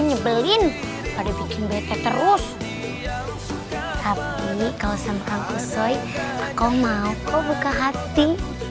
nyebelin pada bikin bete terus tapi kalau sama kau kusoi aku mau kau buka hati